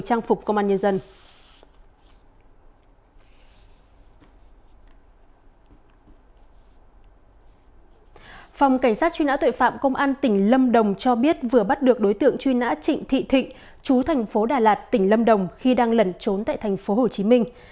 phòng cảnh sát truy nã tội phạm công an tỉnh lâm đồng cho biết vừa bắt được đối tượng truy nã trịnh thị thịnh chú thành phố đà lạt tỉnh lâm đồng khi đang lẩn trốn tại thành phố hồ chí minh